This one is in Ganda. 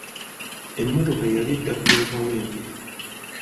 Emmotoka yali edda ku lw'e kawempe.